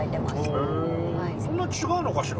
へぇそんな違うのかしら？